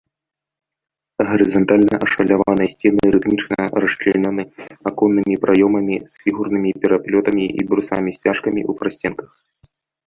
Гарызантальна ашаляваныя сцены рытмічна расчлянёны аконнымі праёмамі з фігурнымі пераплётамі і брусамі-сцяжкамі ў прасценках.